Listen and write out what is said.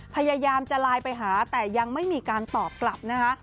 พยายามจะไลน์ไปหาแต่ยังไม่มีการตอบกลับนะคะ